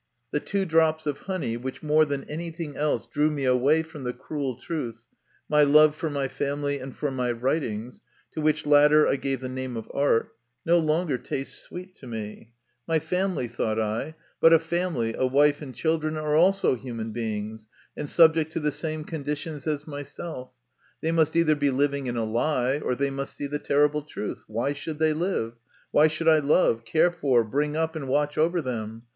The two drops of honey, which more than anything else drew me away from the cruel truth, my love for my family and for my writings, to which latter I gave the name of art, no longer taste sweet to me. "My MY CONFESSION. 35 family," thought I ;" but a family, a wife and children, are also human beings, and subject to the same conditions as myself; they must either be living in a lie, or they must see the terrible truth. Why should they live? Why should I love, care for, bring up, and watch over them